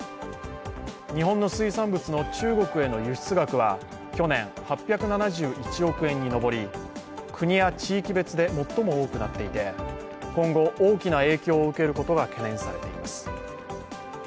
日本の水産物の中国への輸出額は去年、８７１億円に上り、国や地域別で最も多くなっていて、今後、大きな影響を受けることが懸念されています。